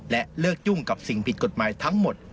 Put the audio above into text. และเลิกยุ่งกับสิ่งผิดกฎหมายทั้งหมด